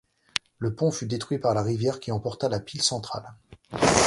Le pont fut détruit par la rivière qui emporta la pile centrale.